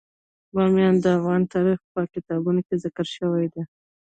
بامیان د افغان تاریخ په کتابونو کې ذکر شوی دي.